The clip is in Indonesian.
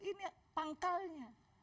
ini ya pangkalnya